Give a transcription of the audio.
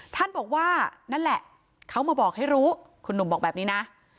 ท่านบอกว่านั่นแหละเขามาบอกให้รู้คุณหนุ่มบอกแบบนี้นะ